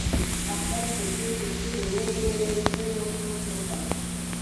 احمد په کور کې څه دروغ وویل ټولو خوله خوله کړ.